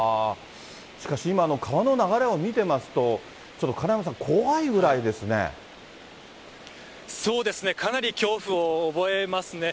しかし今、川の流れを見てますと、ちょっとかなやまさん、そうですね、かなり恐怖を覚えますね。